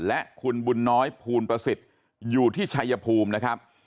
และคุณบุญน้อยภูลประสิทธิ์อยู่ที่ชัยภูมินะครับ